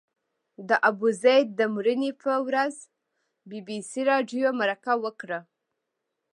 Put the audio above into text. د ابوزید د مړینې پر ورځ بي بي سي راډیو مرکه وکړه.